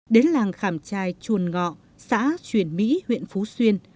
đến làng khảm chai chuôn ngọ xã chuyển mỹ huyện phú xuyên